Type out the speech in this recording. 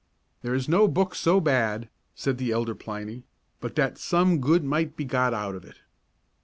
"There is no book so bad," said the elder Pliny, "but that some good might be got out of it."